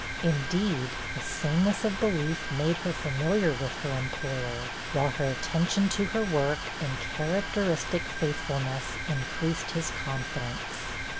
Indeed, the sameness of belief made her familiar with her employer, while her attention to her work, and characteristic faithfulness, increased his confidence.